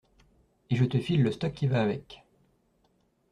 Et je te file le stock qui va avec.